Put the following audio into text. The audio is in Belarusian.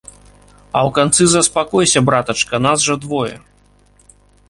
А ў канцы заспакойся, братачка, нас жа двое.